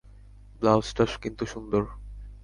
ব্লাউজটা কিন্তু সুন্দর।